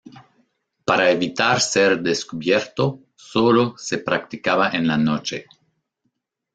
Para evitar ser descubierto sólo se practicaba en la noche.